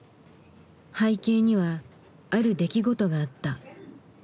背景にはある出来事があった。